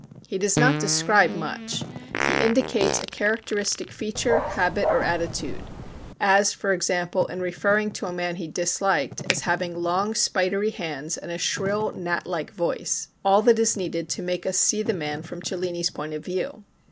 He does not describe much; he indicates a characteristic feature, habit, or attitude; as for example, in referring to a man he disliked, as having "long spidery hands and a shrill gnat like voice" all that is needed to make us see the man from Cellini's point of view.